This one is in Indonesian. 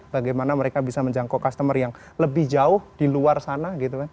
bagaimana mereka bisa menjangkau customer yang lebih jauh di luar sana